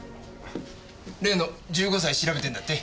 例の１５歳調べてんだって？